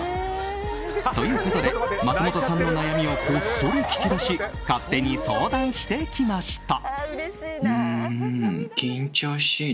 ということで、松本さんの悩みをこっそり聞き出し勝手に相談してきました。